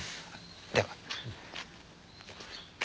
では。